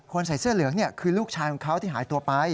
ใส่เสื้อเหลืองคือลูกชายของเขาที่หายตัวไป